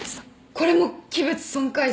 これも器物損壊罪？